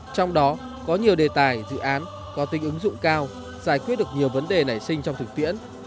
trong đó có nhiều đề tài dự án có tính ứng dụng cao giải quyết được nhiều vấn đề nảy sinh trong thực tiễn